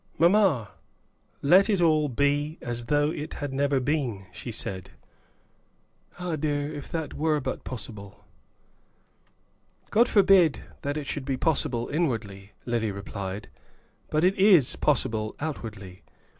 "Mamma, let it all be as though it had never been," she said. "Ah, dear! if that were but possible!" "God forbid that it should be possible inwardly," Lily replied, "but it is possible outwardly.